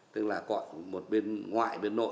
tức là cõi một bên ngoại bên nội